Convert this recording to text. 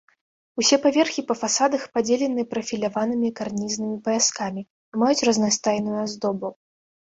Усе паверхі па фасадах падзелены прафіляванымі карнізнымі паяскамі і маюць разнастайную аздобу.